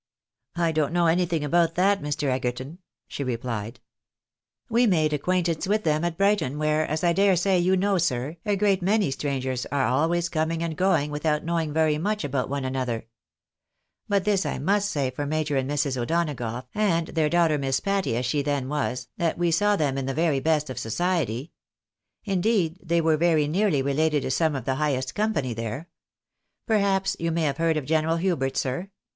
I don't know anything about that, Mr. Egerton," she replied. 174 THE BAENABYS IN AMERICA. " We made acquaintance Avitli them first at Brighton, where, as I dare say you know, sir, a great many strangers are always coming and going without knowing very much about one another. But this I must say for Major and Mrs. O'Donagough, and their daughter Miss Patty as she then was, that we saw them in the very best of society. Indeed they were very nearly related to some of the highest company there. Perhaps you may have heard of General Hubert, sir?